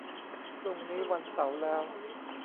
พรุ่งนี้วันเสาร์แล้ว